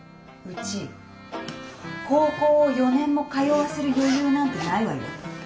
うち高校を４年も通わせる余裕なんてないわよ。